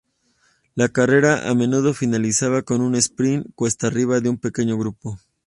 La carrera a menudo finalizaba con un "sprint" cuesta arriba de un pequeño grupo.